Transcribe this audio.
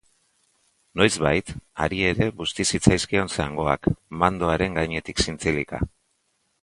Noizbait, hari ere busti zitzaizkion zangoak, mandoaren gainetik zintzilika.